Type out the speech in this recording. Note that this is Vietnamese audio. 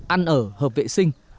ăn ở hợp vệ sinh